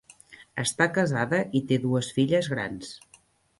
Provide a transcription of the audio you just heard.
Està casada i té dues filles grans.